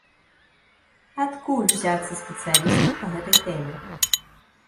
Адкуль узяцца спецыялістам па гэтай тэме?